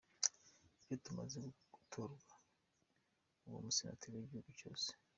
Iyo tumaze gutorwa uba umusenateri w’igihugu cyose.